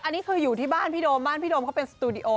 อันนี้คืออยู่ที่บ้านพี่โดมบ้านพี่โดมเขาเป็นสตูดิโอ